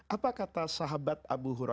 apa kata sahabat abu hura